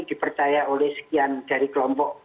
dipercaya oleh sekian dari kelompok